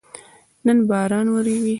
نن ورځ باران وریږي